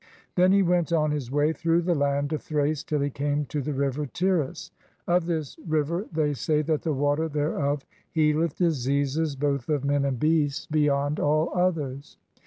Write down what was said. Then he went on his way through the land of Thrace till he came to the river Tearus. Of this river they say that the water thereof healeth diseases both of men and beasts beyond all others.